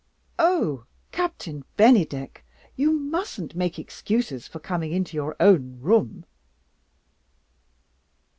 "Oh, Captain Bennydeck, you mustn't make excuses for coming into your own room!"